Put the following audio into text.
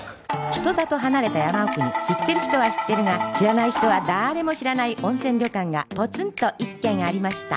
人里離れた山奥に知ってる人は知ってるが知らない人はだーれも知らない温泉旅館がポツンと一軒ありました